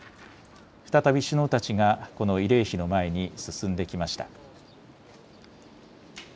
再び首脳たちがこの慰霊碑の前に進んできました。